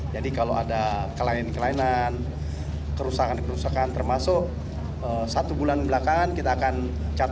jadi kalau ada kelainan kelainan kerusakan kerusakan termasuk satu bulan belakangan kita akan catat